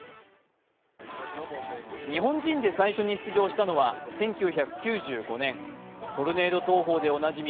日本人で最初に出場したのは１９９５年、トルネード投法でおなじみ